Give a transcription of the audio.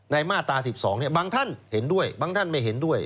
มาตรา๑๒บางท่านเห็นด้วยบางท่านไม่เห็นด้วย